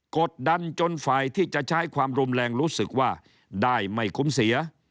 กดดันจนฝ่ายที่จะใช้ความรุนแรงรู้สึกว่าได้ไม่คุ้มเสีย